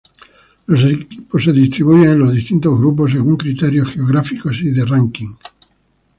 Los equipos se distribuyen en los distintos grupos según criterios geográficos y de ranking.